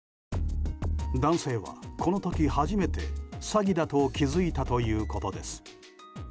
男性は、この時初めて詐欺だと気づいたということです。